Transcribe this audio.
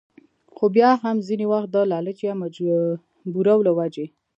خو بيا هم ځينې وخت د لالچ يا مجبورو له وجې